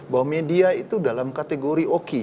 bahwa media itu dalam kategori oki